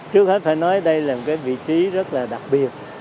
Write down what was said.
trước hết phải nói đây là một vị trí rất đặc biệt